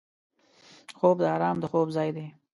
خوب د آرام د خوب ځای دی